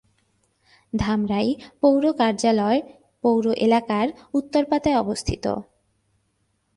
ধামরাই পৌর কার্য্যালয় পৌর এলাকার উত্তরপাতায় অবস্থিত।